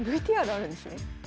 ＶＴＲあるんですね。